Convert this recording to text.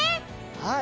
はい。